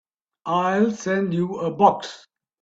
I'll send you a box.